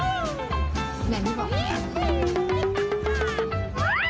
แม่นี่บอก